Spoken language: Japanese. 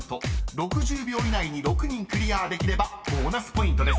［６０秒以内に６人クリアできればボーナスポイントです］